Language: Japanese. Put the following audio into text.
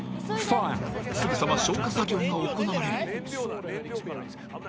すぐさま消火作業が行われる。